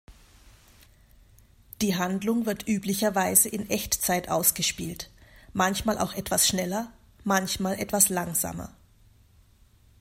Die Handlung wird üblicherweise in Echtzeit ausgespielt, manchmal auch etwas schneller, manchmal etwas langsamer.